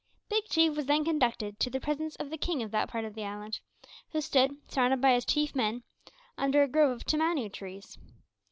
Big Chief was then conducted to the presence of the king of that part of the island, who stood, surrounded by his chief men, under a grove of Temanu trees.